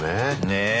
ねえ。